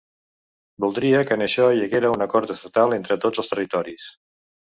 “Voldria que en això hi haguera un acord estatal, entre tots els territoris”.